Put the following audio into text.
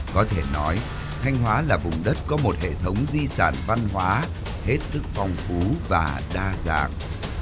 có thể nói thanh hóa là vùng đất có một hệ thống di sản văn hóa hết sức phong phú và đa dạng